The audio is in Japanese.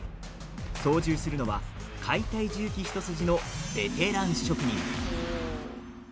操縦するのは解体重機一筋のベテラン職人。